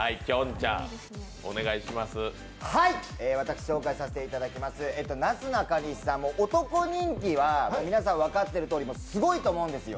私が紹介させていただきます、なすなかにしさん、皆さん分かっているとおりすごいと思うんですよ。